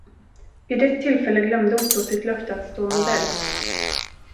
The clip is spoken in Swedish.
Vid ett tillfälle glömde Otto sitt löfte att stå modell.